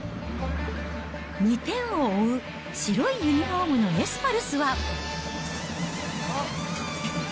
２点を追う白いユニホームのエスパルスは。